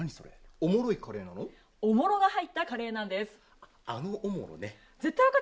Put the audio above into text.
「おもろ」が入ったカレーなんです！